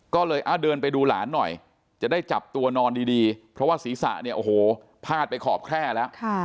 ก็เลยเดินไปดูหลานหน่อยจะได้จับตัวนอนดีเพราะว่าศีรษะเนี่ยโอ้โหพาดไปขอบแคร่แล้ว